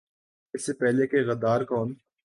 اس سے پہلے کہ "غدار کون؟